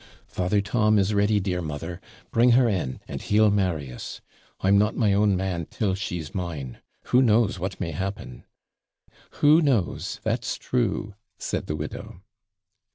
'Father Tom is ready, dear mother; bring her in, and he'll marry us. I'm not my own man till she's mine. Who knows what may happen?' 'Who knows? that's true,' said the widow.